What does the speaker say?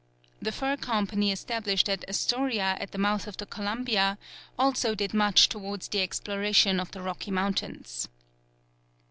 The fur company established at Astoria at the mouth of the Columbia also did much towards the exploration of the Rocky Mountains.